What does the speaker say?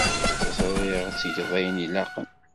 Ẓriɣ ad tgeḍ ayen ilaqen.